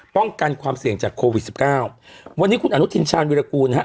ป้องกันความเสี่ยงจากโควิดสิบเก้าวันนี้คุณอนุทินชาญวิรากูลฮะ